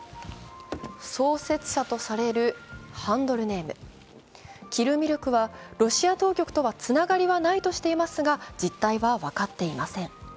創設者とされるハンドルネーム・ＫＩＬＬＭＩＬＫは、ロシア当局とはつながりはないとしていますが実態は分かっていません。